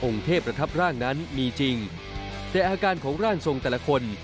เทพประทับร่างนั้นมีจริงแต่อาการของร่างทรงแต่ละคน